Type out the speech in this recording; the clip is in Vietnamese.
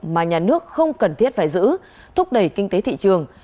mà nhà nước không cần thiết phải giữ thúc đẩy kinh tế thị trường